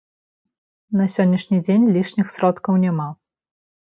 На сённяшні дзень лішніх сродкаў няма.